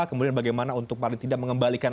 kemudian bagaimana untuk paling tidak mengembalikan